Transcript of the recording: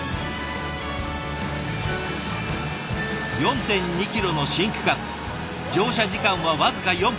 ４．２ｋｍの新区間乗車時間は僅か４分。